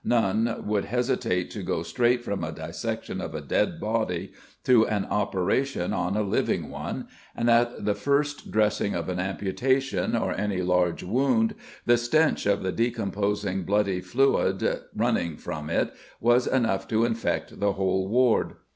none would hesitate to go straight from a dissection of a dead body to an operation on a living one, and at the first dressing of an amputation or any large wound the stench of the decomposing bloody fluid running from it was enough to infect the whole ward."